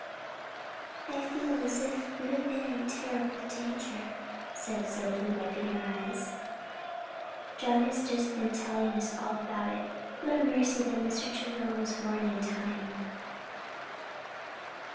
"I feel as if you had been in terrible danger." said Sophie, wiping her eyes. "John has just been telling us all about it. What a mercy that Mr. Travilla was warned in time!"